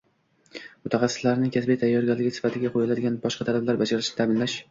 mutaxassislarning kasbiy tayyorgarligi sifatiga qo`yiladigan boshqa talablar bajarilishini ta’minlash;